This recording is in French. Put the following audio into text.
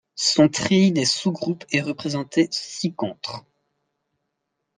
Son treillis des sous-groupes est représenté ci-contre.